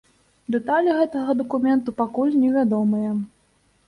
Дэталі гэтага дакументу пакуль невядомыя.